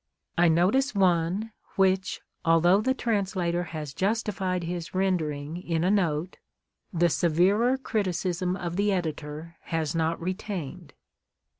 I notice one, which, although the translator has justified his rendering in a note, the severer criticism of the Editor has not retained.